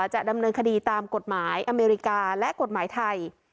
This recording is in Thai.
จะดำเนินคดีตามกฎหมายอเมริกาและกฎหมายไทย